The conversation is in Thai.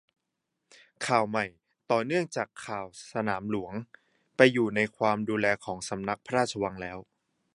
ข่าวใหม่ ต่อเนื่องจากข่าวสนามหลวงไปอยู่ในความดูแลของสำนักพระราชวังแล้ว